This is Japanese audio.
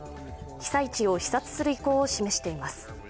被災地を視察する意向を示しています。